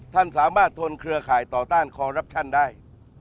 ท่านสามารถทนเครือข่ายต่อต้านคอรับชันได้